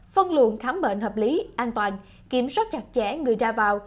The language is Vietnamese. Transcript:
phân luận khám bệnh hợp lý an toàn kiểm soát chặt chẽ người ra vào